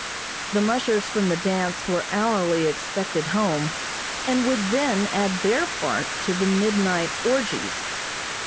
The mushers from the dance were hourly expected home, and would then add their part to the midnight orgies.